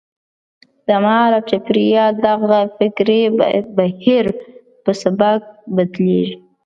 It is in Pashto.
د مهال او چاپېریال دغه فکري بهیر په سبک بدلېږي.